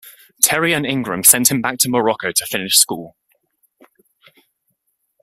Terry and Ingram sent him back to Morocco to finish school.